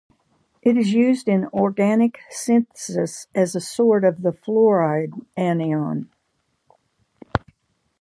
It is used in organic synthesis as a source of the fluoride anion.